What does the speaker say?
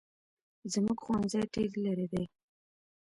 زموږ ښوونځی ډېر لري دی